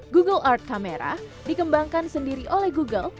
google art kamera dikembangkan sendiri oleh google